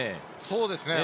そうですね。